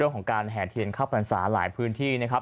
ของการแห่เทียนเข้าพรรษาหลายพื้นที่นะครับ